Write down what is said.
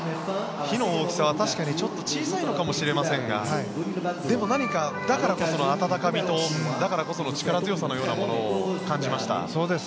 火の大きさは確かにちょっと小さいのかもしれませんがでも、何かだからこその温かみとだからこその力強さを感じました。